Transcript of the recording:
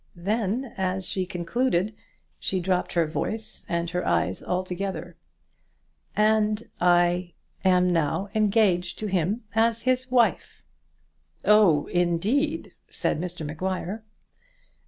Then as she concluded, she dropped her voice and eyes together. "And I am now engaged to him as his wife." "Oh, indeed!" said Mr Maguire.